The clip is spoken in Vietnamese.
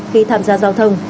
khi tham gia giao thông